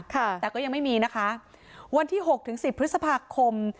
แต่ก็ยังไม่มีนะคะวันที่หกถึงสิบพฤษภาคม